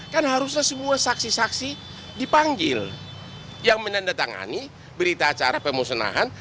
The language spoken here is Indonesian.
kan harusnya semua saksi saksi dipanggil yang menandatangani berita acara pemusnahan